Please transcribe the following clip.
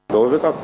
đối với các con bạc